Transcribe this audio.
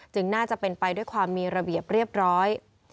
น่าจะเป็นไปด้วยความมีระเบียบเรียบร้อย